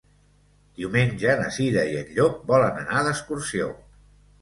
Diumenge na Cira i en Llop volen anar d'excursió.